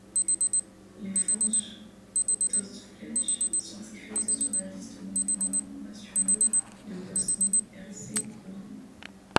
Les forges d'Očevlje sont inscrites sur la liste monuments nationaux de Bosnie-Herzégovine.